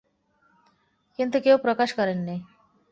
কিন্তু কেউ প্রকাশ করেননি।